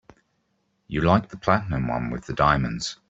You liked the platinum one with the diamonds.